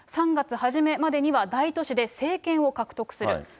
３月初めまでには、大都市で政権を獲得する。